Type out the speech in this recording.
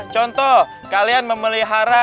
contoh kalian memelihara